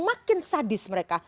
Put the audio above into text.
semakin ngawur mereka